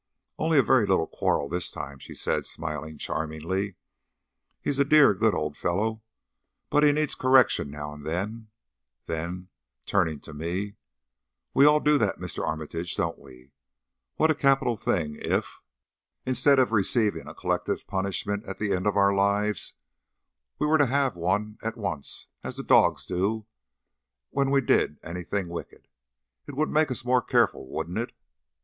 "Only a very little quarrel this time," she said, smiling charmingly. "He is a dear, good old fellow, but he needs correction now and then." Then, turning to me, "We all do that, Mr. Armitage, don't we? What a capital thing if, instead of receiving a collective punishment at the end of our lives, we were to have one at once, as the dogs do, when we did anything wicked. It would make us more careful, wouldn't it?"